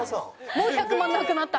もう１００万なくなった。